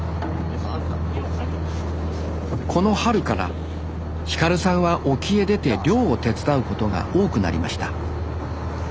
この春から輝さんは沖へ出て漁を手伝うことが多くなりました